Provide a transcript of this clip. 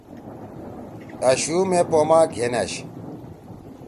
أ شُو مے پو ما گھین أشی۔